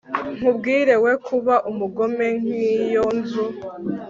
nkubwira We kuba umugome nk iyo nzu